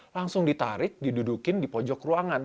langsung ditarik didudukin di pojok ruangan